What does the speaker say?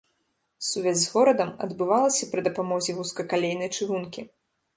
Сувязь з горадам адбывалася пры дапамозе вузкакалейнай чыгункі.